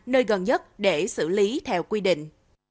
nơi gần nhất để xử lý theo quy định